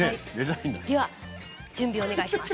では準備をお願いします。